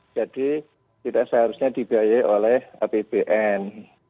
jadi tidak seharusnya dibiayai oleh apbn